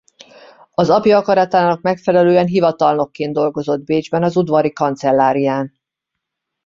Az apja akaratának megfelelően hivatalnokként dolgozott Bécsben az udvari kancellárián.